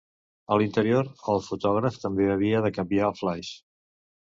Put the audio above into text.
A l'interior, el fotògraf també havia de canviar el flaix.